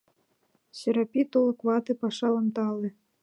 Серапи, тулык вате, пашалан тале.